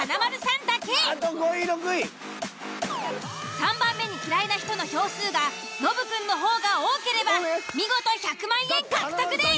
３番目に嫌いな人の票数がノブくんの方が多ければ見事１００万円獲得です！